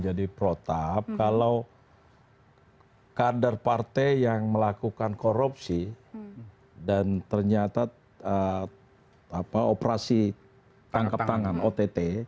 jadi protap kalau kader partai yang melakukan korupsi dan ternyata operasi tangkap tangan ott